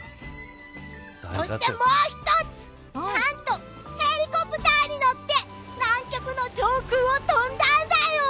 そして、もう一つ何とヘリコプターに乗って南極の上空を飛んだんだよ。